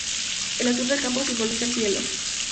El azur del campo simboliza el cielo.